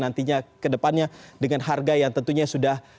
nantinya ke depannya dengan harga yang tentunya sudah